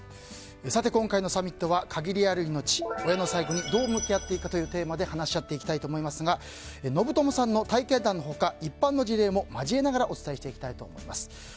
今回のサミットは限りある命、親の最期にどう向き合っていくかというテーマで話し合っていきたいと思いますが信友さんの体験談の他一般の事例も交えながらお伝えしていきたいと思います。